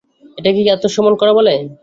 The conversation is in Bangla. এটাকে কি আত্মসমর্পন করা বলে?